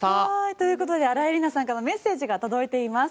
ということで新井恵理那さんからメッセージが届いています。